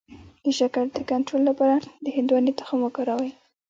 د شکر د کنټرول لپاره د هندواڼې تخم وکاروئ